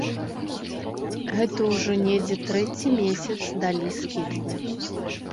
Гэта ўжо недзе трэці месяц далі скідку.